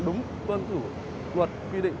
đúng phương thủ luật quy định